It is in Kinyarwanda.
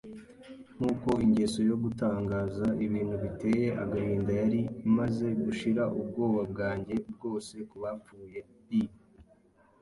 nkuko ingeso yo gutangaza ibintu biteye agahinda yari imaze gushira ubwoba bwanjye bwose kubapfuye, I.